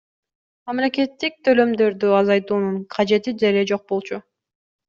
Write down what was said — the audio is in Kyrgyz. Мамлекеттик төлөмдөрдү азайтуунун кажети деле жок болчу.